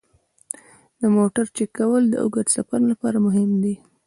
د موټر چک کول د اوږده سفر لپاره مهم دي.